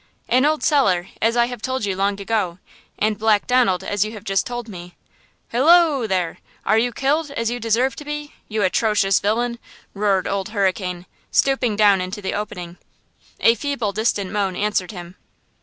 "An old cellar, as I have told you long ago, and Black Donald, as you have just told me. Hilloe there! Are you killed, as you deserve to be, you atrocious villain?" roared Old Hurricane, stooping down into the opening. A feeble distant moan answered him.